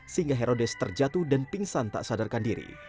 sehingga herodes terjatuh dan pingsan tak sadarkan diri